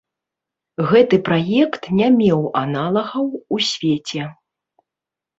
Гэты праект не меў аналагаў у свеце.